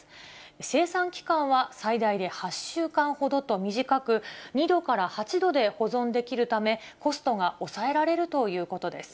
生産期間は最大で８週間ほどと短く、２度から８度で保存できるため、コストが抑えられるということです。